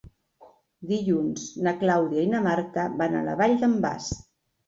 Dilluns na Clàudia i na Marta van a la Vall d'en Bas.